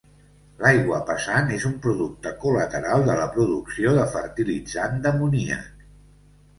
L'aigua pesant és un producte col·lateral de la producció de fertilitzant d'amoníac.